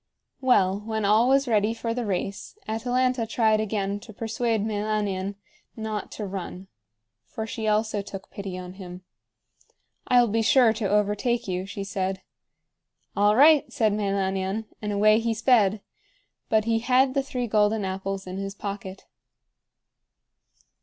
Well, when all was ready for the race, Atalanta tried again to persuade Meilanion not to run, for she also took pity on him. "I'll be sure to overtake you," she said. "All right!" said Meilanion, and away he sped; but he had the three golden apples in his pocket.